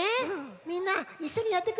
みんないっしょにやってくれる？